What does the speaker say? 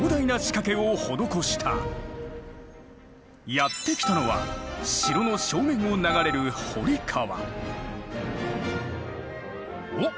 やって来たのは城の正面を流れるおっ